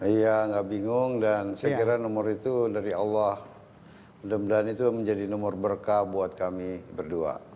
iya nggak bingung dan saya kira nomor itu dari allah mudah mudahan itu menjadi nomor berkah buat kami berdua